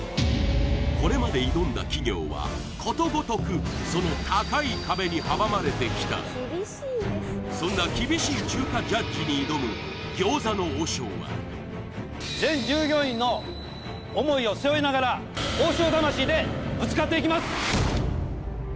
これまで挑んだ企業はことごとくその高い壁に阻まれてきたそんな厳しい中華ジャッジに挑む餃子の王将は全従業員の思いを背負いながら王将魂でぶつかっていきます！